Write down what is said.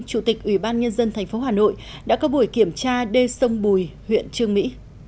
chủ tịch ủy ban nhân dân tp hà nội đã có buổi kiểm tra đê sông bùi huyện trương mỹ